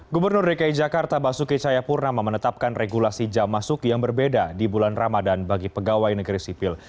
gubernur dki jakarta basuki cayapurnama menetapkan regulasi jam masuk yang berbeda di bulan ramadan bagi pegawai negeri sipil